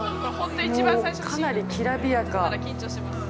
かなりきらびやか。